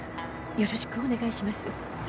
よろしくお願いします。